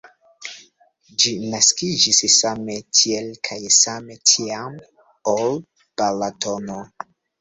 Ĝi naskiĝis same tiel kaj same tiam, ol Balatono.